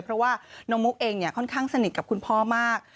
เพราะว่าน้องมุกเองค่อนข้างสนิทกับคุณพ่อมาก